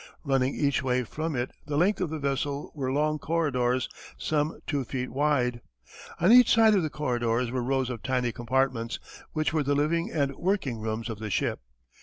Running each way from it the length of the vessel were long corridors, some two feet wide. On each side of the corridors were rows of tiny compartments, which were the living and working rooms of the ship.